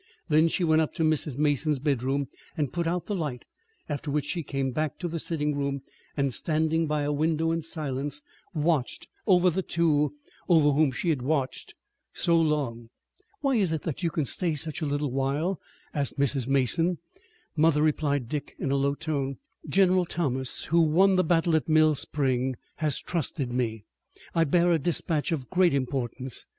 Then she went up to Mrs. Mason's bedroom and put out the light, after which she came back to the sitting room, and, standing by a window in silence, watched over the two over whom she had watched so long. "Why is it that you can stay such a little while?" asked Mrs. Mason. "Mother," replied Dick in a low tone, "General Thomas, who won the battle at Mill Spring, has trusted me. I bear a dispatch of great importance.